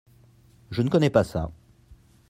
Je ne connais pas ça.